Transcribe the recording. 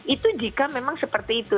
itu jika memang seperti itu